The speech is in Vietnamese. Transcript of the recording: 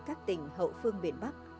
các tỉnh hậu phương miền bắc